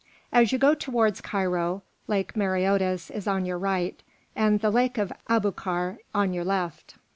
As you go towards Cairo, Lake Mareotis is on your right and the Lake of Aboukir on your left.